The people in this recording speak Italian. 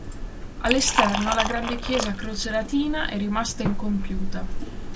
All'esterno, la grande chiesa a croce latina è rimasta incompiuta.